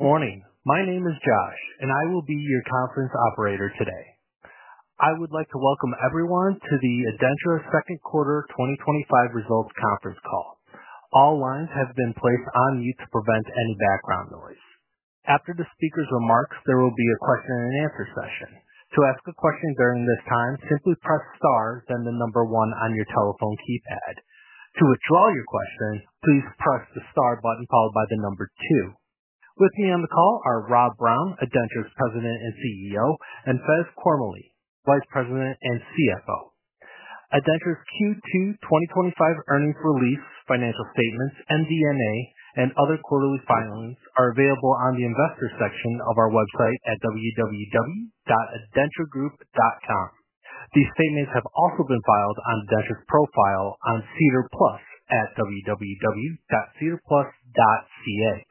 Good morning. My name is Josh, and I will be your conference operator today. I would like to welcome everyone to the ADENTRA Second Quarter 2025 Results Conference Call. All lines have been placed on mute to prevent any background noise. After the speaker's remarks, there will be a question and answer session. To ask a question during this time, simply press star, then the number one on your telephone keypad. To withdraw your questions, please press the star button followed by the number two. With me on the call are Rob Brown, ADENTRA's President and CEO, and Faiz Karmally, Vice President and CFO. ADENTRA's Q2 2025 earnings release, financial statements, MD&A, and other quarterly filings are available on the investor section of our website at www.adentragroup.com. These statements have also been filed on ADENTRA's profile on CEDARplus at www.cedarplus.ca.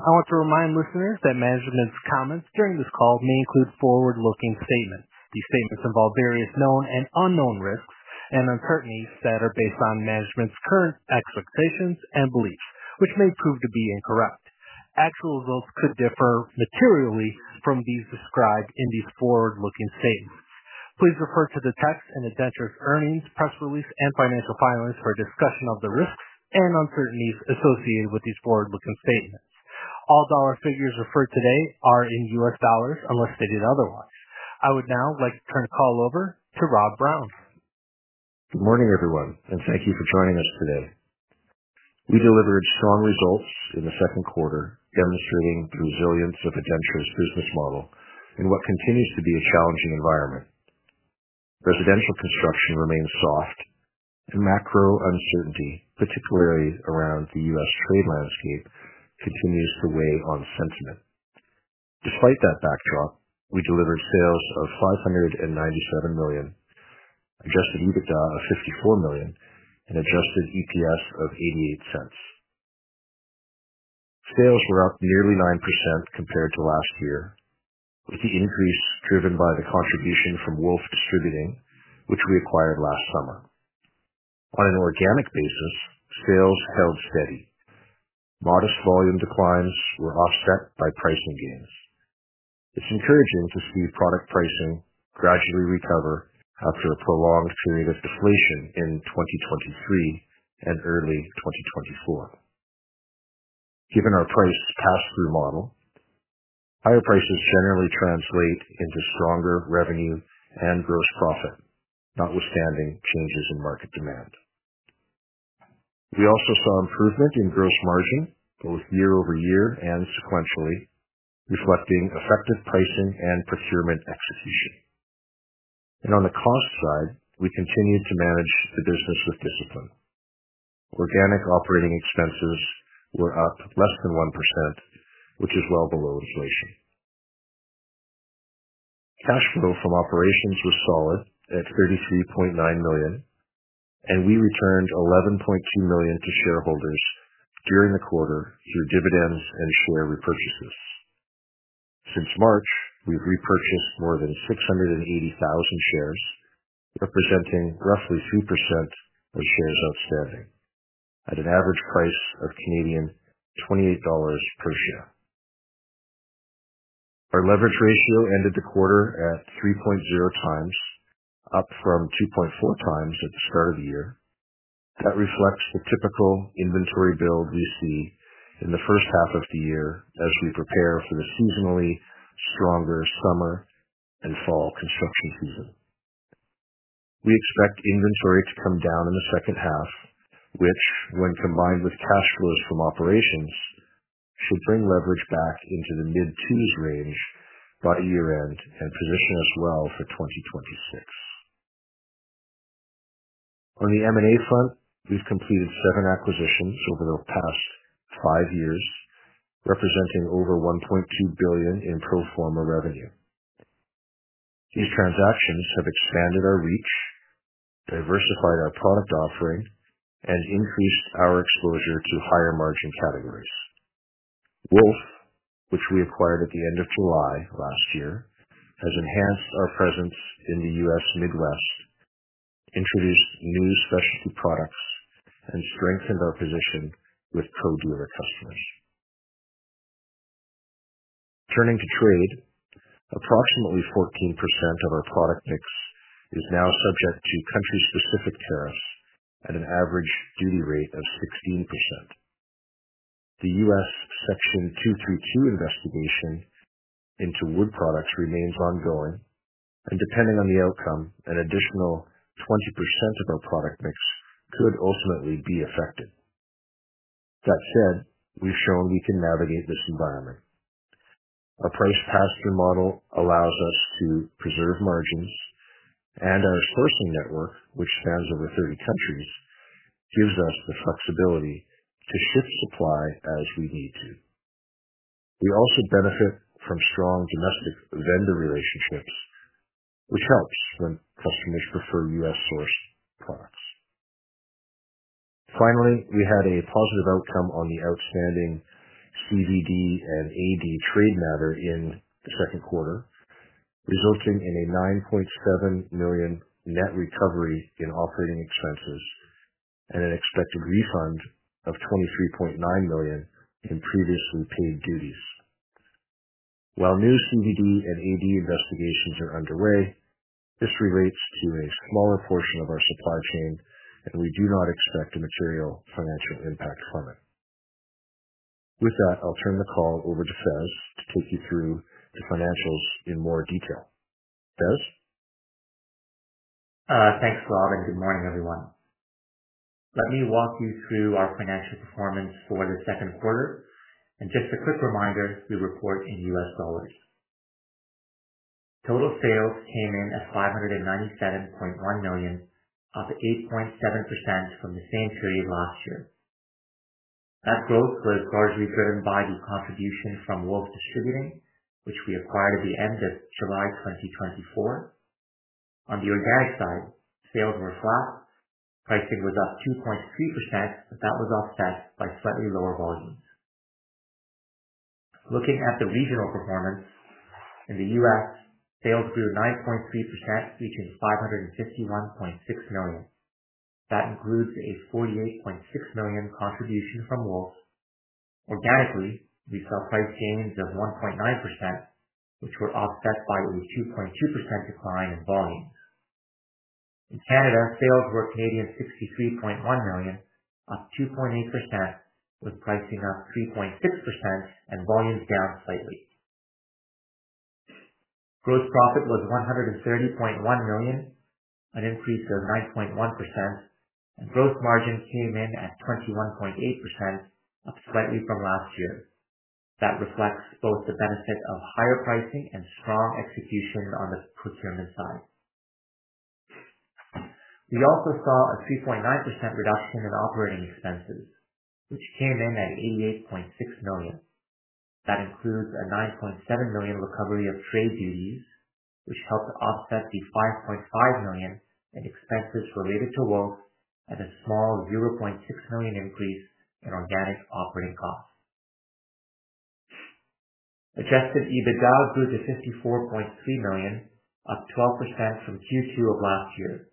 I want to remind listeners that management's comments during this call may include forward-looking statements. These statements involve various known and unknown risks and uncertainties that are based on management's current expectations and beliefs, which may prove to be incorrect. Actual results could differ materially from those described in these forward-looking statements. Please refer to the text in ADENTRA's earnings, press release, and financial filings for a discussion of the risks and uncertainties associated with these forward-looking statements. All dollar figures referred to today are in US dollars unless stated otherwise. I would now like to turn the call over to Rob Brown. Good morning, everyone, and thank you for joining us today. We delivered strong results in the second quarter, demonstrating the resilience of ADENTRA's business model in what continues to be a challenging environment. Residential construction remains soft, and macro uncertainty, particularly around the U.S. trade landscape, continues to weigh on sentiment. Despite that backdrop, we delivered sales of $597 million, adjusted EBITDA of $54 million, and adjusted EPS of $0.88. Sales were up nearly 9% compared to last year, with the increase driven by the contribution from Wolf Distributing, which we acquired last summer. On an organic basis, sales held steady. Modest volume declines were offset by pricing gains. It's encouraging to see product pricing gradually recover after a prolonged period of deflation in 2023 and early 2024. Given our price pass-through model, higher prices generally translate into stronger revenue and gross profit, notwithstanding changes in market demand. We also saw improvement in gross margin, both year-over-year and sequentially, reflecting effective pricing and procurement execution. On the cost side, we continue to manage the business with discipline. Organic operating expenses were up less than 1%, which is well below deflation. Cash flow from operations was solid at $33.9 million, and we returned $11.2 million to shareholders during the quarter through dividends and share repurchases. Since March, we've repurchased more than 680,000 shares, representing roughly 2% of shares outstanding, at an average price of C$28 per share. Our leverage ratio ended the quarter at 3.0x, up from 2.4x at the start of the year. That reflects the typical inventory build we see in the first half of the year as we prepare for the seasonally stronger summer and fall construction season. We expect inventory to come down in the second half, which, when combined with cash flows from operations, should bring leverage back into the mid-teens range by year-end and position us well for 2026. On the M&A front, we've completed seven acquisitions over the past five years, representing over $1.2 billion in pro forma revenue. These transactions have expanded our reach, diversified our product offering, and increased our exposure to higher margin categories. Wolf, which we acquired at the end of July last year, has enhanced our presence in the U.S. Midwest into the new specialty products and strengthened our position with co-delivery customers. Turning to trade, approximately 14% of our product mix is now subject to country-specific tariffs at an average duty rate of 16%. The U.S. Section 232 investigation into wood products remains ongoing, and depending on the outcome, an additional 20% of our product mix could ultimately be affected. That said, we've shown we can navigate this environment. Our price pass-through model allows us to preserve margin, and our sourcing network, which spans over 30 countries, gives us the flexibility to switch supply as we need to. We also benefit from strong domestic vendor relationships, which helps when customers prefer U.S. source products. Finally, we had a positive outcome on the outstanding countervailing duty and anti-dumping duty trade matter in the second quarter, resulting in a $9.7 million net recovery in operating expenses and an expected refund of $23.9 million in previously paid duties. While new countervailing duty and anti-dumping duty investigations are underway, this relates to a smaller portion of our supply chain, and we do not expect a material financial impact from it. With that, I'll turn the call over to Faiz to take you through the financials in more detail. Faiz? Thanks, Rob, and good morning, everyone. Let me walk you through our financial performance for the second quarter. Just a quick reminder, we report in U.S. dollars. Total sales came in at $597.1 million, up 8.7% from the same period last year. That growth was largely driven by the contribution from Wolf Distributing, which we acquired at the end of July 2024. On the organic side, sales were flat. Pricing was up 2.3%, but that was offset by slightly lower volumes. Looking at the regional performance, in the U.S., sales grew 9.3%, reaching $551.6 million. That includes a $48.6 million contribution from Wolf. Organically, we saw price gains of 1.9%, which were offset by a 2.2% decline in volumes. In Canada, sales were C$63.1 million, up 2.8%, with pricing up 3.6% and volumes down slightly. Gross profit was $130.1 million, an increase of 9.1%, and gross margin came in at 21.8%, up slightly from last year. That reflects both the benefit of higher pricing and strong execution on the procurement side. We also saw a 3.9% reduction in operating expenses, which came in at $88.6 million. That includes a $9.7 million recovery of trade duties, which helped to offset the $5.5 million in expenses related to Wolf and a small $0.6 million increase in organic operating costs. Adjusted EBITDA grew to $54.3 million, up 12% from Q2 of last year.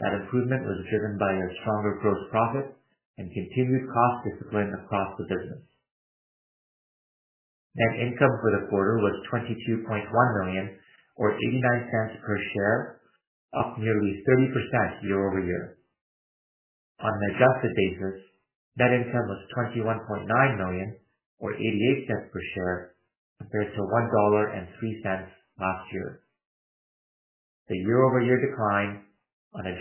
That improvement was driven by a stronger gross profit and continued cost discipline across the business. Net income for the quarter was $22.1 million or $0.89 per share, up nearly 30% year-over-year. On an adjusted basis, net income was $21.9 million or $0.88 per share compared to $1.03 last year. The year-over-year decline on an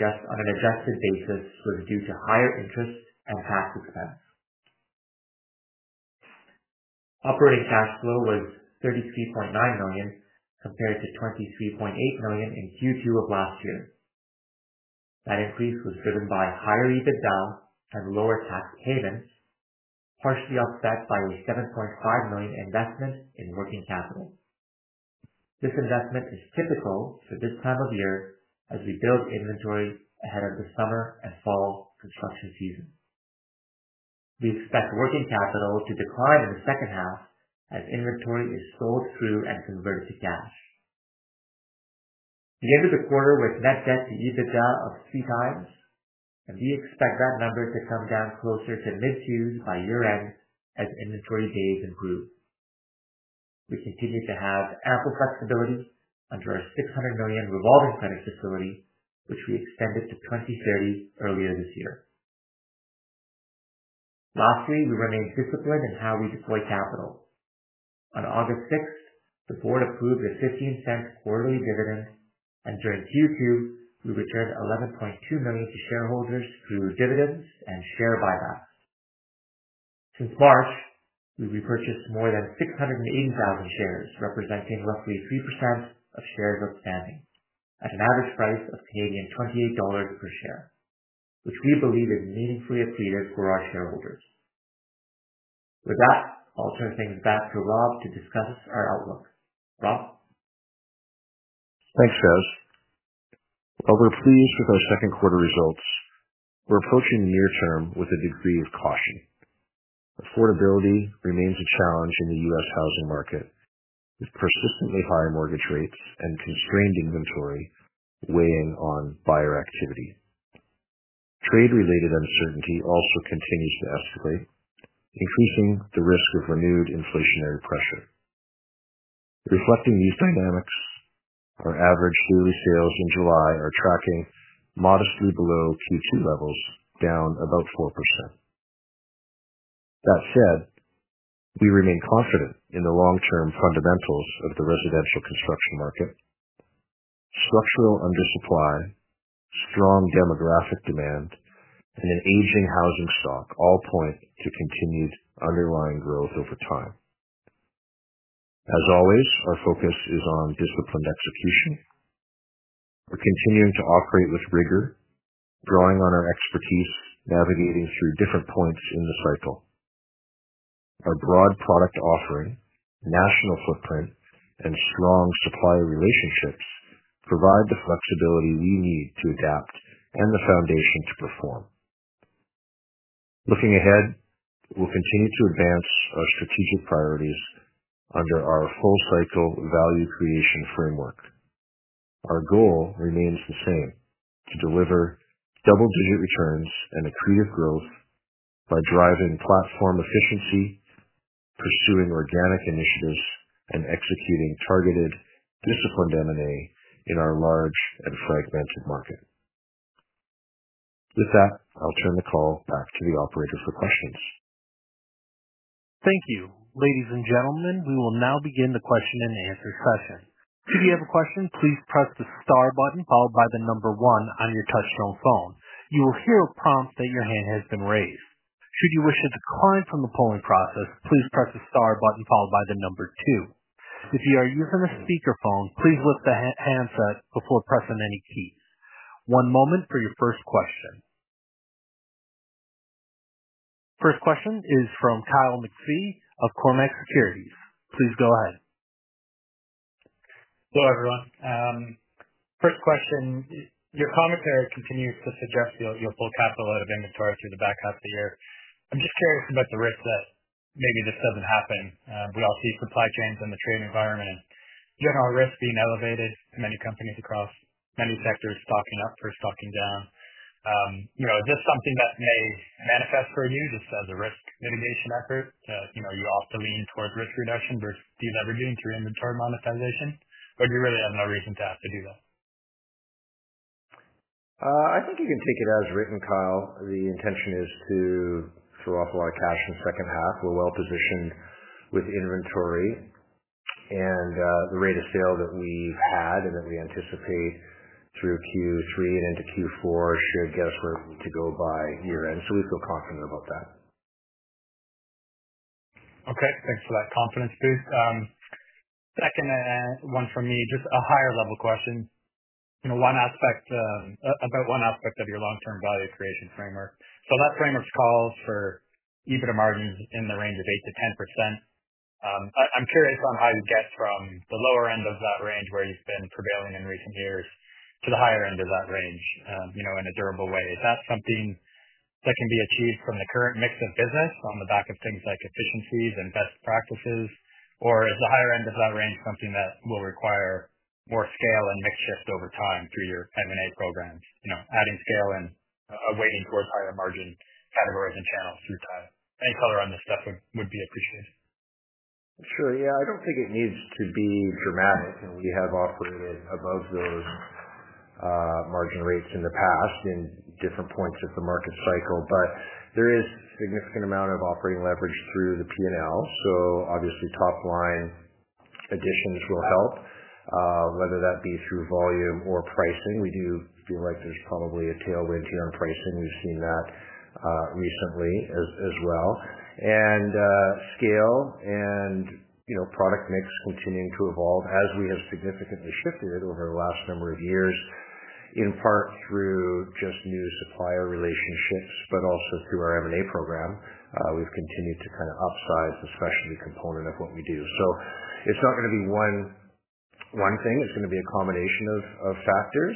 adjusted basis was due to higher interest and past expense. Operating cash flow was $33.9 million compared to $23.8 million in Q2 of last year. That increase was driven by higher EBITDA and lower tax payments, partially offset by a $7.5 million investment in working capital. This investment is typical for this time of year as we build inventory ahead of the summer and fall construction season. We expect working capital to decline in the second half as inventory is sold through and converted to cash. We ended the quarter with net debt to EBITDA of 3x, and we expect that number to come down closer to mid-June by year-end as inventory days improve. We continue to have ample flexibility under our $600 million revolving credit facility, which we extended to 2030 earlier this year. Lastly, we remain disciplined in how we deploy capital. On August 6, the board approved a $0.15 quarterly dividend, and during Q2, we returned $11.2 million to shareholders through dividends and share buybacks. Since March, we repurchased more than 680,000 shares, representing roughly 3% of shares outstanding, at an average price of C$28 per share, which we believe is meaningfully accretive for our shareholders. With that, I'll turn things back to Rob to discuss our outlook. Rob? Thanks, Josh. Over three years of our second quarter results, we're approaching the near term with a decreased cost. Affordability remains a challenge in the U.S. housing market with persistently high mortgage rates and constrained inventory weighing on buyer activity. Trade-related uncertainty also continues to escalate, increasing the risk of renewed inflationary pressures. Reflecting these dynamics, our average daily sales in July are tracking modestly below Q2 levels, down about 4%. That said, we remain confident in the long-term fundamentals of the residential construction market. Structural undersupply, strong demographic demand, and an aging housing stock all point to continued underlying growth over time. As always, our focus is on discipline execution. We're continuing to operate with rigor, drawing on our expertise navigating through different points in the cycle. Our broad product offering, national footprint, and strong supplier relationships provide the flexibility we need to adapt and the foundation to perform. Looking ahead, we'll continue to advance our strategic priorities under our full-cycle value creation framework. Our goal remains the same: to deliver double-digit returns and acquisitive growth by driving platform efficiency, pursuing organic initiatives, and executing targeted discipline M&A in our large and fragmented market. With that, I'll turn the call back to the operator for questions. Thank you. Ladies and gentlemen, we will now begin the question and answer session. Should you have a question, please press the star button followed by the number one on your touch-tone phone. You will hear a prompt that your hand has been raised. Should you wish to decline from the polling process, please press the star button followed by the number two. If you are using a speakerphone, please lift the handset before pressing any keys. One moment for your first question. First question is from Kyle McPhee of Cormak Securities. Please go ahead. Hello, everyone. First question, your commentary continues to suggest your full capital out of inventory through the back half of the year. I'm just curious about the risk that maybe this doesn't happen. We all see supply chains and the trade environment, general risk being elevated, many companies across many sectors stocking up versus stocking down. Is this something that may manifest for you just as a risk mitigation effort? You often lean towards risk reduction versus de-leveraging through inventory monetization, but we really have no reason to have to do that. I think you can take it as written, Kyle. The intention is to throw off a lot of cash in the second half. We're well positioned with inventory, and the rate of sale that we had and that we anticipate through Q3 and into Q4 should get us where we need to go by year-end. We feel confident about that. Okay. Thanks for that confidence boost. Second one for me, just a higher-level question. You know, one aspect about one aspect of your long-term value creation framework. That framework calls for EBITDA margins in the range of 8%-10%. I'm curious on how you get from the lower end of that range, where you've been prevailing in recent years, to the higher end of that range, you know, in a durable way. Is that something that can be achieved from the current mix of business on the back of things like efficiencies and best practices, or is the higher end of that range something that will require more scale and makeshift over time through your M&A programs? You know, adding scale and awaiting quarter prior margin categories and channels through that. Any color on this stuff would be appreciated. Sure. Yeah. I don't think it needs to be dramatic. We have operated above those margin rates in the past in different points of the market cycle, but there is a significant amount of operating leverage through the P&L. Obviously, top-line additions will help, whether that be through volume or pricing. We do feel like there's probably a tailwind here in pricing. We've seen that recently as well. Scale and, you know, product mix continuing to evolve as we have significantly shifted over the last number of years, in part through just new supplier relationships, but also through our M&A program. We've continued to kind of upsize the specific component of what we do. It's not going to be one thing. It's going to be a combination of factors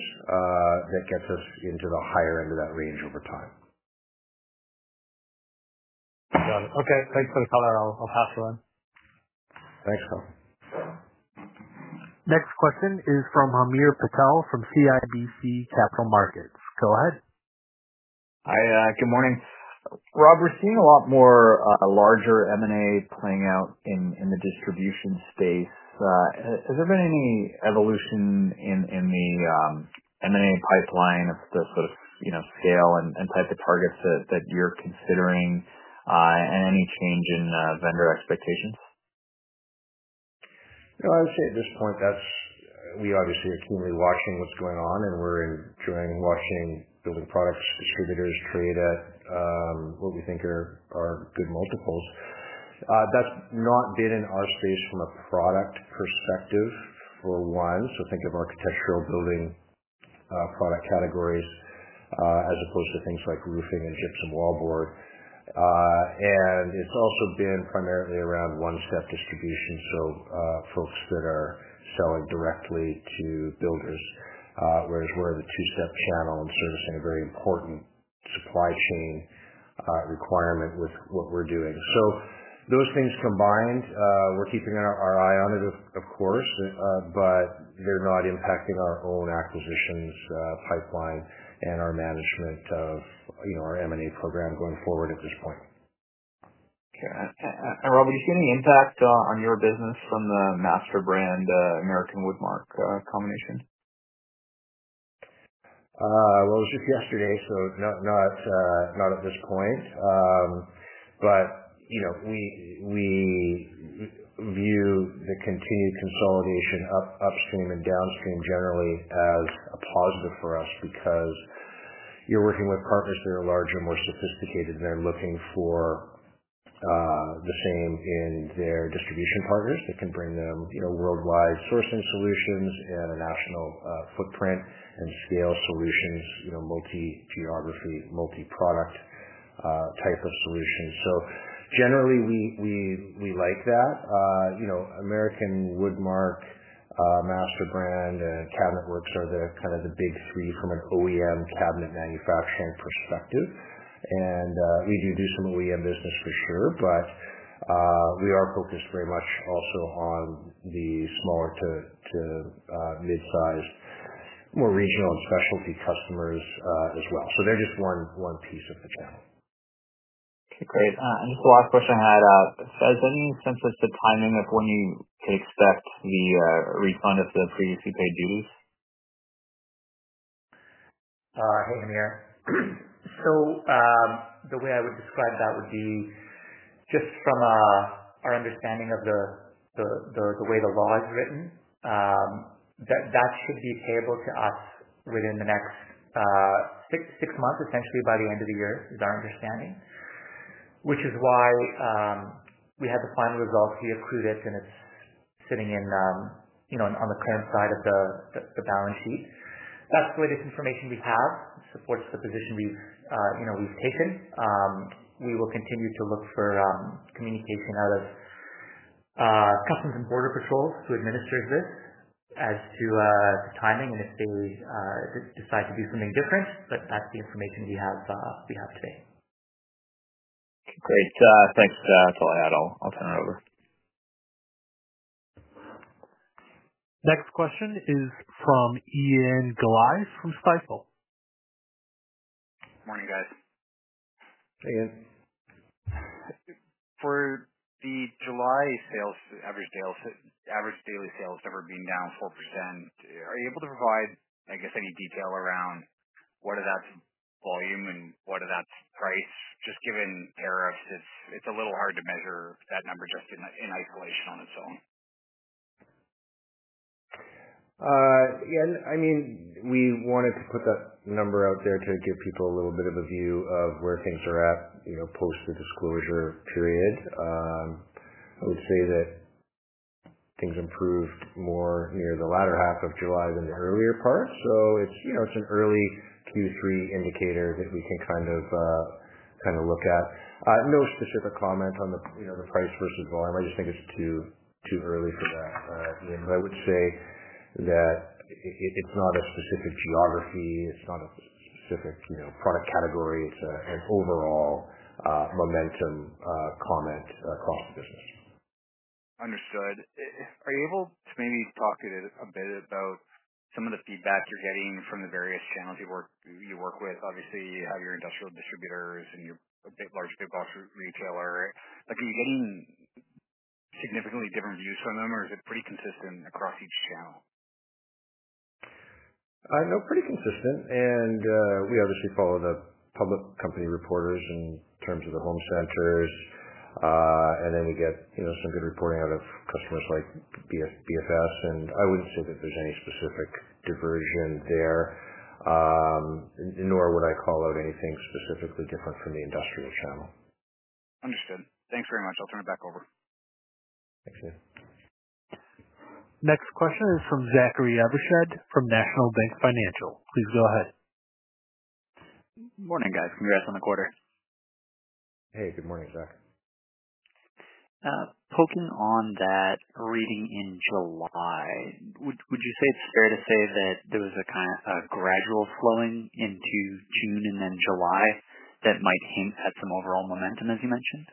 that gets us into the higher end of that range over time. Got it. Okay. Thanks for the color. I'll pass it on. Thanks, Kyle. Next question is from Hamir Patel from CIBC Capital Markets. Go ahead. Hi. Good morning. Rob, we're seeing a lot more, larger M&A playing out in the distribution space. Has there been any evolution in the M&A pipeline of the sort of scale and type of targets that you're considering? Any change in vendor expectations? I would say at this point, we obviously are keenly watching what's going on, and we're enjoying watching building products to be distributed and create what we think are good multiples. That's not been in our space from a product perspective, for one. Think of architectural building product categories, as opposed to things like roofing and gypsum wallboard. It's also been primarily around one-step distribution, folks that are selling directly to builders, whereas we're in a two-step channel and servicing a very important supply chain requirement with what we're doing. Those things combined, we're keeping our eye on it, of course, but they're not impacting our own acquisitions pipeline and our management of our M&A program going forward at this point. Okay. Rob, are you seeing any impact on your business from the MasterBrand, American Woodmark, combination? It was just yesterday, so no, not at this point. We view the continued consolidation upstream and downstream generally as a positive for us because you're working with partners that are larger and more sophisticated and are looking for the same in their distribution partners that can bring them worldwide sourcing solutions and a national footprint and scale solutions, multi-geography, multi-product type of solutions. Generally, we like that. American Woodmark, MasterBrand, and CabinetWorks are kind of the big three from an OEM cabinet manufacturing perspective. We do do some OEM business for sure, but we are focused very much also on the smaller to mid-sized, more regional and specialty customers as well. They're just one piece of the channel. Okay. Great. This is the last question I had. Faiz, what do you sense is declining when you take stock to the refund of the previously paid duties? Hey, Hamir. The way I would describe that would be just from our understanding of the way the law is written, that should be payable to us within the next six months, essentially by the end of the year is our understanding, which is why we had the final results, we accrued it, and it's sitting on the current side of the balance sheet. That's the latest information we have. It supports the position we've taken. We will continue to look for communication out of Customs and Border Patrol, who administers this, as to the timing and if they decide to do something different. That's the information we have today. Okay. Great, thanks, that's all I had. I'll turn it over. Next question is from Ian Gillies from Stifel. Morning, guys. Hey, Ian. For the July sales, average daily sales being down 4%, are you able to provide, I guess, any detail around what of that's volume and what of that's price? Just given the era of this, it's a little hard to measure that number just in isolation on its own. Yeah. We wanted to put that number out there to give people a little bit of a view of where things are at, you know, post the disclosure period. I would say that things improved more near the latter half of July than the earlier part. It's an early Q3 indicator that we can kind of look at. No specific comment on the price versus volume. I just think it's too early for that, name. I would say that it's not a specific geography. It's not a specific product category. It's an overall momentum comment across business. Understood. Are you able to maybe talk a bit about some of the feedback you're getting from the various channels you work with? Obviously, you have your industrial distributors and your big-box retailer. Like, are you getting significantly different views from them, or is it pretty consistent across each channel? No, pretty consistent. We obviously follow the public company reporters in terms of the home center, and then we get some good reporting out of customers like BFS. I wouldn't say that there's any specific diversion there, nor would I call out anything specifically different from the industrial channel. Understood. Thanks very much. I'll turn it back over. Thanks, Ian. Next question is from Zachary Evershed from National Bank Financial. Please go ahead. Morning, guys. Congrats on the quarter. Hey, good morning, Zach. Poking on that reading in July, would you say it's fair to say that there was a kind of gradual flowing into June and then July that might hint at some overall momentum, as you mentioned?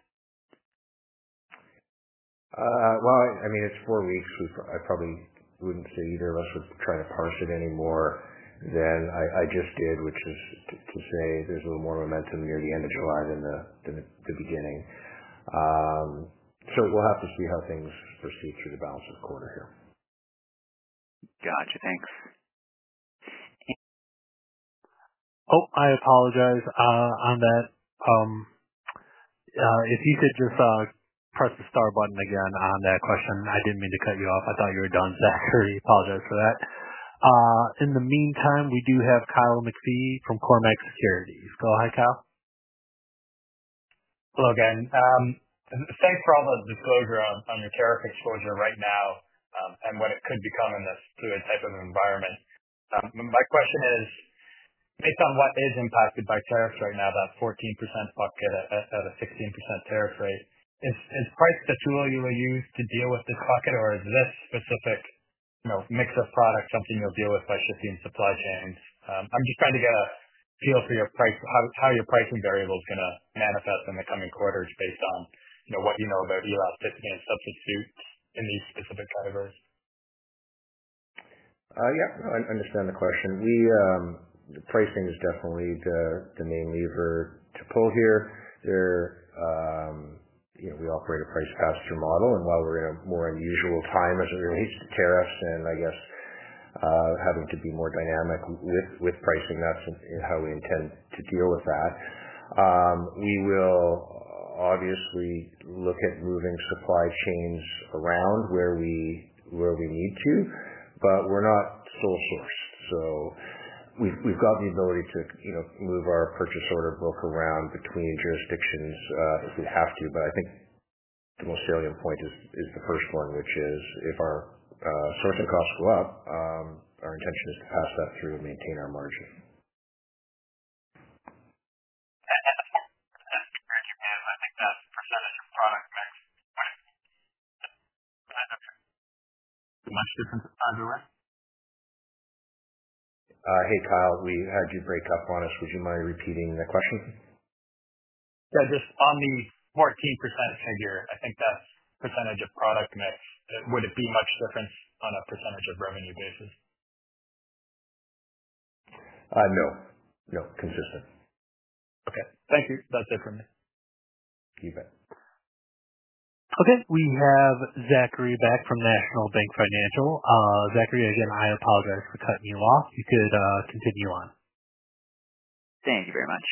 I mean, it's four weeks. We probably wouldn't say either of us would try to parse it any more than I just did, which is to say there's a little more momentum near the end of July than the beginning. Sure. We'll have to see how things proceed through the balance of the quarter here. Got you. Thanks. Oh, I apologize on that. If you could just press the star button again on that question. I didn't mean to cut you off. I thought you were done, so I really apologize for that. In the meantime, we do have Kyle McPhee from Cormak Securities. Go ahead, Kyle. Hello again. Thanks for all the exposure on the tariff exposure right now, and what it could become in this fluid type of environment. My question is, based on what is impacted by tariffs right now, that 14% bucket at a 16% tariff rate, is price the tool you would use to deal with the cockpit, or is this specific, you know, mix of products something you'll deal with by shifting supply chains? I'm just trying to get a feel for your price, how your pricing variable is going to manifest in the coming quarters based on, you know, what you know about your outfitting and substitutes in these specific categories. Yeah, I understand the question. The pricing is definitely the main lever to pull here. We operate a price pass-through model. While we're in a more unusual time as it relates to tariffs and, I guess, having to be more dynamic with pricing, that's just how we intend to deal with that. We will obviously look at moving supply chains around where we need to, but we're not bullet-book. We've got the ability to move our purchase order book around between jurisdictions if we have to. I think the most salient point is the first one, which is if our sourcing costs go up, our intention is to pass that through and maintain our margin. Do you have much difference on your end? Hey, Kyle. We had you break up on us. Would you mind repeating the question? On these 14% figures, I think that percentage of product mix, would it be much different on a percentage of revenue basis? No. No. Consistent. Okay, thank you. That's it for me. You bet. Okay. We have Zachary Evershed from National Bank Financial. Zachary, again, I apologize for cutting you off. You could continue on. Thank you very much.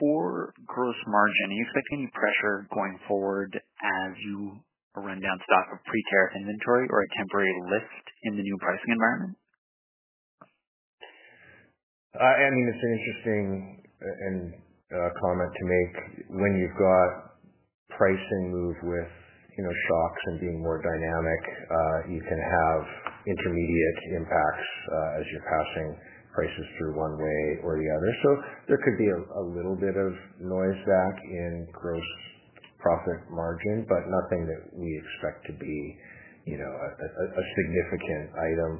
For gross margin, do you expect any pressure going forward as you run down stock of pre-tariff inventory or a temporary lift in the new pricing environment? I mean, it's an interesting comment to make. When you've got pricing move with, you know, stocks and being more dynamic, you can have intermediate impacts as you're passing prices through one way or the other. There could be a little bit of noise back in gross profit margin, but nothing that we expect to be a significant item.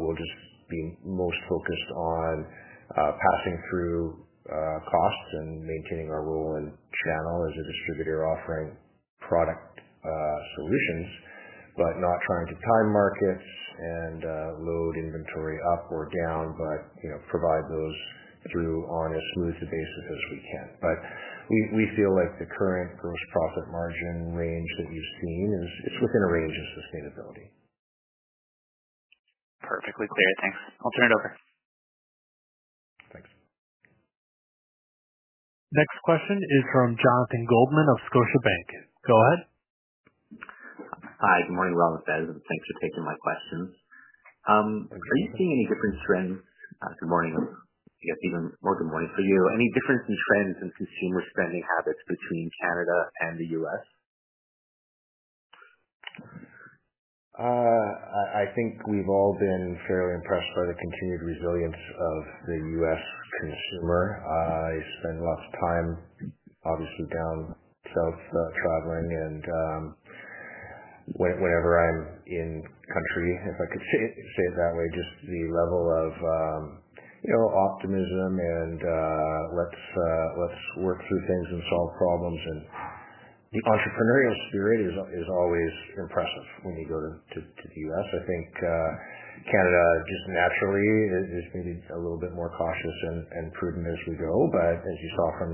We'll just be most focused on passing through costs and maintaining our role in channel as a distributor offering product solutions, but not trying to time markets and load inventory up or down, but, you know, provide those through on as smooth a basis as we can. We feel like the current gross profit margin range that we've seen is within a range of sustainability. Perfectly clear. Thanks. I'll turn it over. Thanks. Next question is from Jonathan Goldman of Scotiabank. Go ahead. Hi. Good morning, Rob. Thanks for taking my questions. Have we seen any different trends? Good morning. Any difference in trends in consumer spending habits between Canada and the U.S.? I think we've all been fairly impressed by the continued resilience. Obviously, down self-sabotaging, and whenever I'm in country, if I could say it that way, just the level of optimism and let's work through things and solve problems. The entrepreneurial spirit is always impressive when you go to the U.S. I think Canada just naturally has just made it. Canada's performing very well for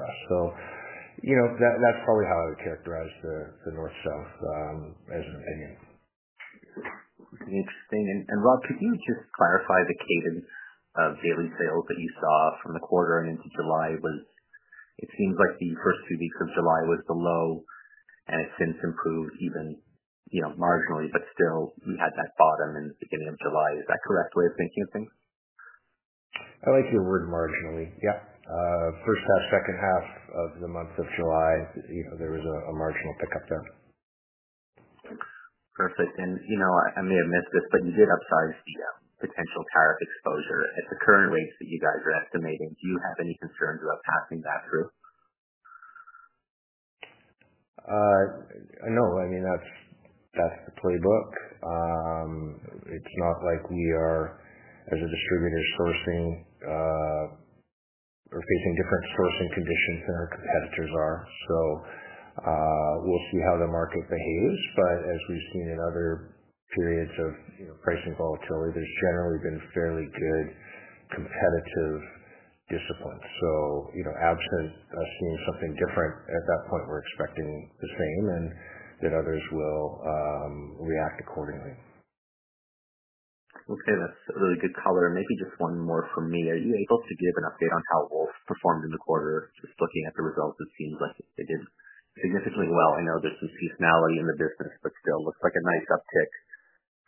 that. That's probably how I would characterize the North Shelf, as an opinion. Interesting. Rob, could you just clarify the cadence of daily sales that you saw from the quarter and into July? It seems like the first two weeks of July was below and has since improved even, you know, marginally, but still, you had that bottom in the beginning of July. Is that a correct way of thinking of things? I like your word marginally. Yes, first half, second half of the month of July, there was a marginal pickup there. Perfect. I may have missed this, but you did upsize the potential tariff exposure. At the current rates that you guys are estimating, do you have any concerns about passing that through? No, I mean, that's the playbook. It's not like we are, as a distributor, sourcing or facing different sourcing conditions than our competitors are. We'll see how the market behaves. As we've seen in other periods of pricing volatility, there's generally been fairly good competitive discipline. Absent us doing something different, at that point, we're expecting the same and that others will react accordingly. Okay. That's a really good color. Maybe just one more from me. Are you able to give an update on how Wolf performed in the quarter? Just looking at the results, it seems like they did significantly well. I know there's some seasonality in the business, but still, it looks like a nice uptick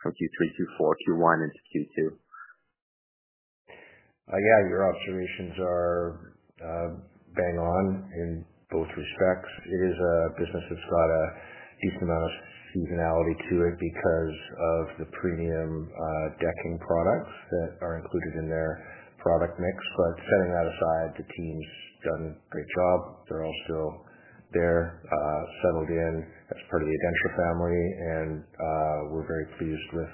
from Q3, Q4, Q1, and Q2. Yeah. Your observations are bang on in both respects. It is a business that's got a decent amount of seasonality to it because of the premium decking products that are included in their product mix. Setting that aside, the team's done a great job. They're all still there, settled in as part of the ADENTRA family, and we're very pleased with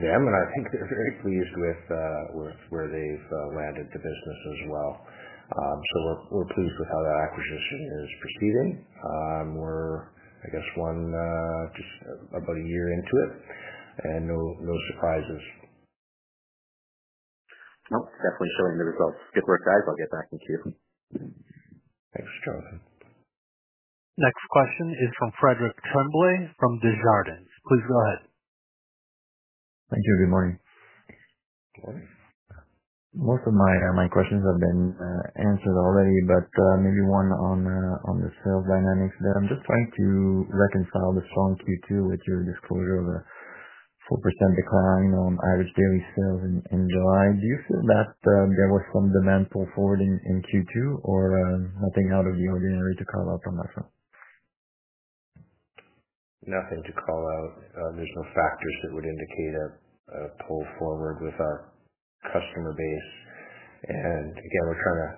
them. I think they're very pleased with where they've landed the business as well. We're pleased with how that acquisition is proceeding. We're, I guess, just about a year into it, and no surprises. Definitely showing the results. If you clarify, I'll get back to you. Thanks, Jonathan. Next question is from Frederic Tremblay from Desjardins. Please go ahead. Thank you. Good morning. Morning. Most of my questions have been answered already, but maybe one on the sales dynamics there. I'm just trying to reconcile the strong Q2 with your disclosure of a 4% decline on average daily sales in July. Do you feel that there was some demand pull forward in Q2, or nothing out of the ordinary to call out on that front? Nothing to call out. There's no factors that would indicate a pull forward with our customer base. We're trying to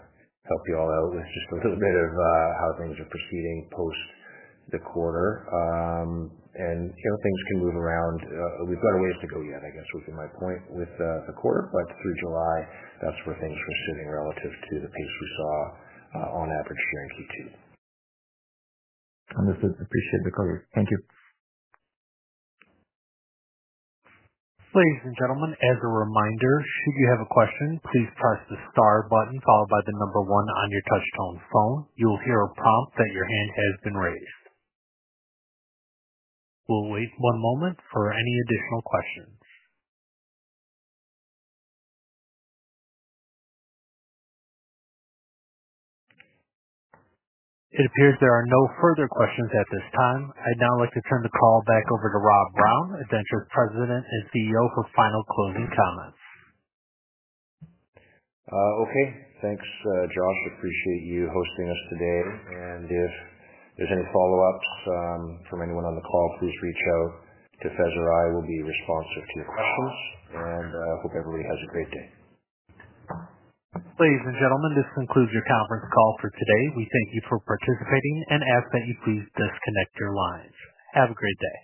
help you all out with just a little bit of how things are proceeding post the quarter. You know, things can move around. We've got a ways to go yet, I guess, would be my point with the quarter. Through July, that's where things are seeming relative to the pace we saw on average during Q2. Understood. Appreciate the cover. Thank you. Ladies and gentlemen, as a reminder, should you have a question, please press the star button followed by the number one on your touch-tone phone. You'll hear a prompt that your hand has been raised. We'll wait one moment for any additional questions. It appears there are no further questions at this time. I'd now like to turn the call back over to Rob Brown, ADENTRA's President and CEO, for final closing comments. Okay. Thanks, John. Appreciate you hosting us today. If there's any follow-up from anyone on the call, please reach out to Faiz or me. We'll be responsive to your questions and hope everybody has a great day. Thanks, ladies and gentlemen. This concludes your conference call for today. We thank you for participating and ask that you please disconnect your lines. Have a great day.